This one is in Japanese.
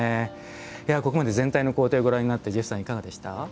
いやここまで全体の工程をご覧になってジェフさんいかがでした？